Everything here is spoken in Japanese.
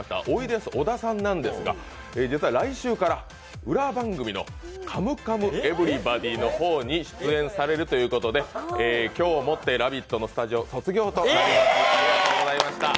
おいでやす小田さんなんですが、実は来週から裏番組の「カムカムエヴリバディ」の方に出演されるということで今日をもって「ラヴィット！」のスタジオ、卒業となります。